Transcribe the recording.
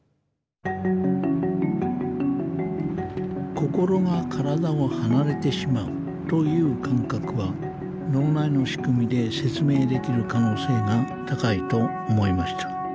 心が体を離れてしまうという感覚は脳内の仕組みで説明できる可能性が高いと思いました。